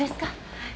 はい。